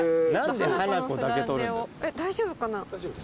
えっ大丈夫かな。